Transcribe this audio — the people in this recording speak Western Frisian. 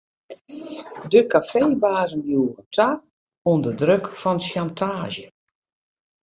De kafeebazen joegen ta ûnder druk fan sjantaazje.